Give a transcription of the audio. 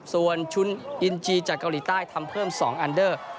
ส่วนจดเกาหลีใต้ทำเพิ่มสองอันเดอร์